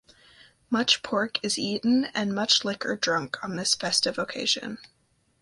Much pork is eaten and much liquor drunk on this festive occasion.